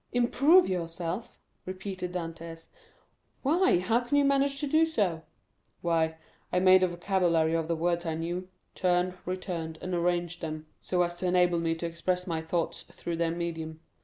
"Improve yourself!" repeated Dantès; "why, how can you manage to do so?" "Why, I made a vocabulary of the words I knew; turned, returned, and arranged them, so as to enable me to express my thoughts through their medium.